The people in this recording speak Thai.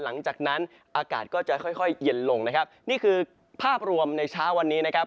หลังจากนั้นอากาศก็จะค่อยค่อยเย็นลงนะครับนี่คือภาพรวมในเช้าวันนี้นะครับ